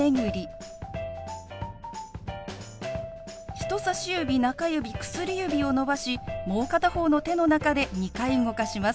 人さし指中指薬指を伸ばしもう片方の手の中で２回動かします。